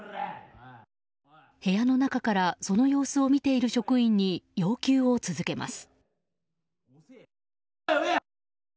部屋の中からその様子を見ている職員に要求を続けます。